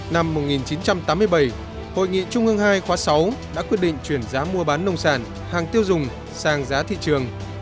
năm một nghìn chín trăm tám mươi bảy hội nghị trung ương hai khóa sáu đã quyết định chuyển giá mua bán nông sản hàng tiêu dùng sang giá thị trường